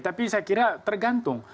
tapi saya kira tergantung